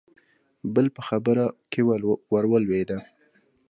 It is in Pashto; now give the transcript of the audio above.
بل په خبره کې ورولوېد: